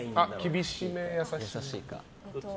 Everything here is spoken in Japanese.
厳しめか優しめか。